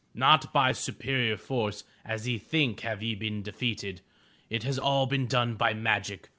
Not by superior force, as ye think have ye been defeated. It has all been done by magic.